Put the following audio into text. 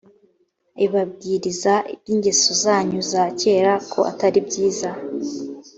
abibabwiriza iby’ingeso zanyu za kera ko atari byiza